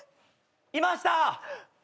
・いました！